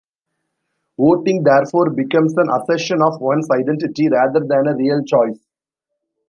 Voting therefore becomes an assertion of one's identity rather than a real choice.